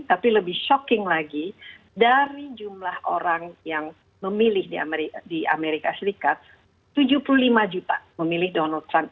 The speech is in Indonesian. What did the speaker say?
tapi lebih shocking lagi dari jumlah orang yang memilih di amerika serikat tujuh puluh lima juta memilih donald trump